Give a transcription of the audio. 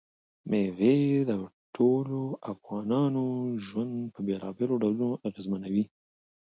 مېوې د ټولو افغانانو ژوند په بېلابېلو ډولونو باندې اغېزمنوي.